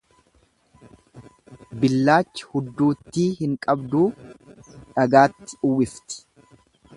Billaachi hudduuttii hin qabduu, dhagaatti uwwifti.